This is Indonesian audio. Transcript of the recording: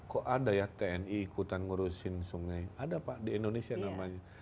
kok ada ya tni ikutan ngurusin sungai ada pak di indonesia namanya